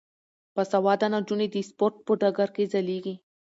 باسواده نجونې د سپورت په ډګر کې ځلیږي.